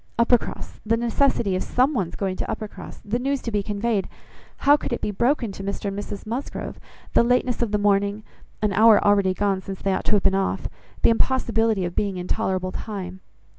"Uppercross, the necessity of some one's going to Uppercross; the news to be conveyed; how it could be broken to Mr and Mrs Musgrove; the lateness of the morning; an hour already gone since they ought to have been off; the impossibility of being in tolerable time."